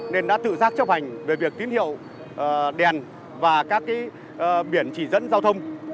nên đã tự giác chấp hành về việc tín hiệu đèn và các biển chỉ dẫn giao thông